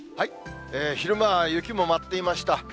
昼間は雪も待っていました。